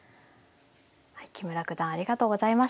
木村九段ありがとうございました。